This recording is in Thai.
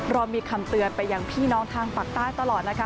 เรามีคำเตือนไปยังพี่น้องทางปากใต้ตลอดนะคะ